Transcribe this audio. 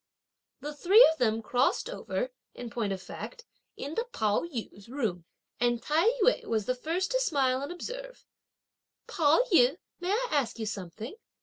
The three of them crossed over, in point of fact, into Pao yü's room, and Tai yü was the first to smile and observe. "Pao yü, may I ask you something?